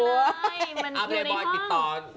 ไม่มีอะไรเลยมันอยู่ในห้อง